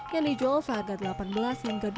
yang dijual harga rp delapan belas hingga rp dua puluh lima